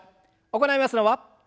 行いますのは。